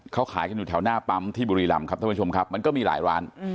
เขาขายกันอยู่แถวหน้าปั๊มที่บุรีรำครับท่านผู้ชมครับมันก็มีหลายร้าน